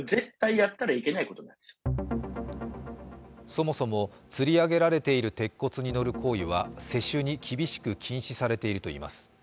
そもそも、つり上げられている鉄骨に乗る行為は施主に厳しく禁止されているといいます。